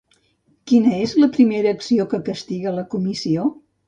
Quina és la primera acció que castiga la Comissió?